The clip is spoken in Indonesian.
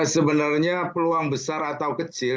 sebenarnya peluang besar atau kecil